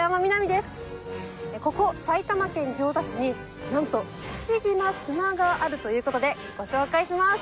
ここ埼玉県行田市になんとフシギな砂があるという事でご紹介します。